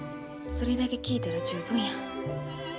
それだけ聞いたら十分や。